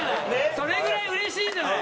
それぐらいうれしいんじゃない？